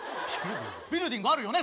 ビルディングあるよね？